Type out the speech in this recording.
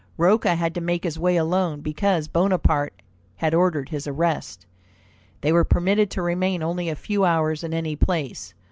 Rocca had to make his way alone, because Bonaparte had ordered his arrest. They were permitted to remain only a few hours in any place.